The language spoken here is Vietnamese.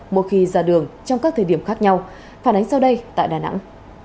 mỗi khi ra đường trong các thời điểm khác nhau phản ánh sau đây tại đà nẵng